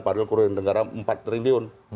padahal kerugian negara empat triliun